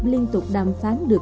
liên tục đàm phán được